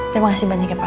terima kasih banyak ya pak